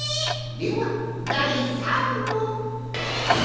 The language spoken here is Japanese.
ではだい３もん。